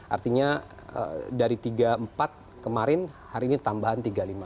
artinya dari tiga empat kemarin hari ini tambahan tiga puluh lima